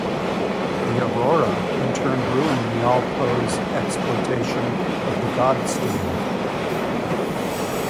The Aurora in turn ruined Niall Poe's exploitation of the God Stones.